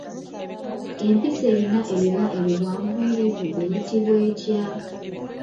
Empisi erina ebiba ebiwanvuyirivu eyitibwa etya?